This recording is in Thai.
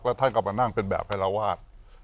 ท่านก็มานั่งเป็นแบบให้เราวาด